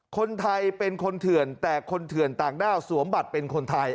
คนไทยเป็นคนเถื่อนแต่คนเถื่อนต่างด้าวสวมบัตรเป็นคนไทย